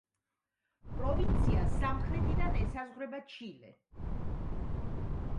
პროვინციას სამხრეთიდან ესაზღვრება ჩილე.